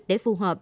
để phù hợp